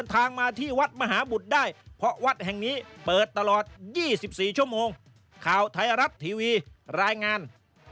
ข่าวไทยรับทีวีรายงาน